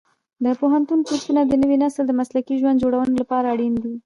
د پوهنتون کورسونه د نوي نسل د مسلکي ژوند جوړونې لپاره اړین دي.